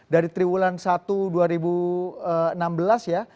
dari triwulan satu dua ribu enam belas ya